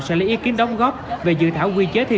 sẽ lấy ý kiến đóng góp về dự thảo quy chế thi